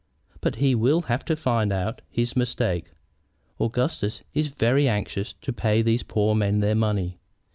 But he will have to find out his mistake. Augustus is very anxious to pay these poor men their money.